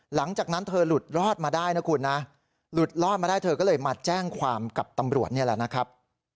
หลังจากนั้นเธอหลุดรอดมาได้นะคุณนะหลุดรอดมาได้เธอก็เลยมาแจ้งความกับตำรวจนี่แหละนะครับ